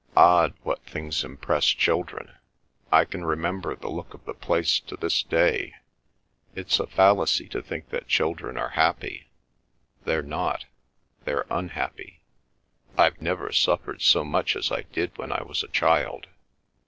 Odd, what things impress children! I can remember the look of the place to this day. It's a fallacy to think that children are happy. They're not; they're unhappy. I've never suffered so much as I did when I was a child."